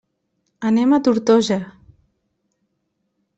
Anem a Tortosa.